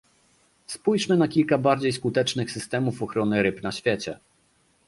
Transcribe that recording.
Spójrzmy na kilka bardziej skutecznych systemów ochrony ryb na świecie